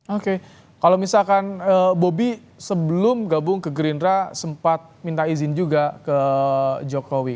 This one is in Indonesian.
oke kalau misalkan bobi sebelum gabung ke gerindra sempat minta izin juga ke jokowi